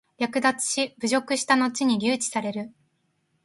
略奪し、凌辱したのちに留置される。